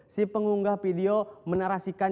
si pengunggah video menerasakan